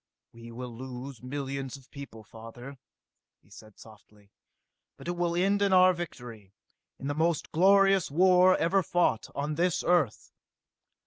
"We will lose millions of people, father," he said softly. "But it will end in our victory, in the most glorious war ever fought on this Earth!"